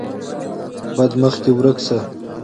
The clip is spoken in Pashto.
بدعا: مخ دې پرته شه!